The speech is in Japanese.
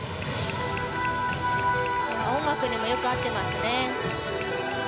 音楽にもよく合っていますね。